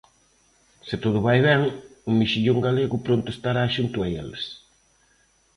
Se todo vai ben, o mexillón galego pronto estará xunto a eles.